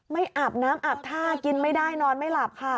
อาบน้ำอาบท่ากินไม่ได้นอนไม่หลับค่ะ